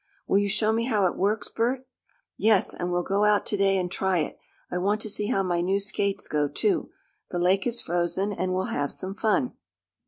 "Will you show me how it works, Bert?" "Yes, and we'll go out to day and try it. I want to see how my new skates go, too. The lake is frozen and we'll have some fun."